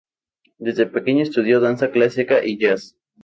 Desde pequeña estudió danza clásica y jazz.